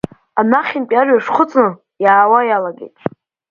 Анахьынтәи арҩаш хыҵны иаауа иалагет.